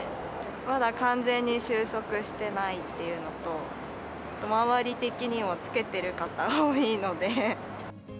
まだ完全に収束してないっていうのと、周り的にも着けてる方、多いので。